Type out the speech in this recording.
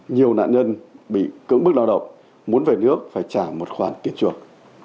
nhiều nạn nhân bị cưỡng bức lao động muốn về nước phải trả một khoản tiền chuộc